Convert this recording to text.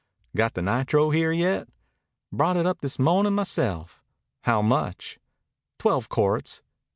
"Got the nitro here yet?" "Brought it up this mo'nin' myself." "How much?" "Twelve quarts."